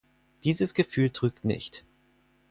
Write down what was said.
Dieses Gefühl trügt nicht.